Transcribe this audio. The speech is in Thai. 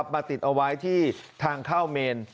มาติดเอาไว้ที่ทางเข้าเมน